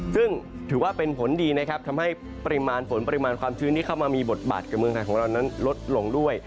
ซึ่งถือว่าเป็นผลดีนะครับทำให้ปริมาณฝนปริมาณความชื้นที่เข้ามามีบทบาทกับเมืองไทยของเรานั้นลดลงด้วย